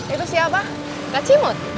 itu siapa kak cimot